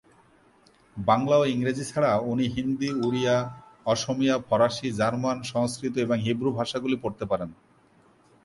বাংলা ও ইংরেজি ছাড়া উনি হিন্দি, ওড়িয়া, অসমীয়া, ফরাসী, জার্মান, সংস্কৃত এবং হিব্রু ভাষাগুলি পড়তে পারেন।